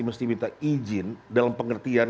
mesti minta izin dalam pengertian